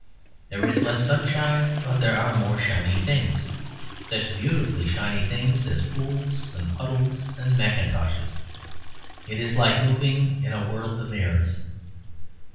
There is less sunshine; but there are more shiny things; such beautifully shiny things as pools and puddles and mackintoshes. It is like moving in a world of mirrors.